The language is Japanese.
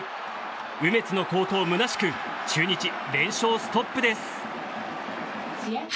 梅津の好投むなしく中日、連勝ストップです。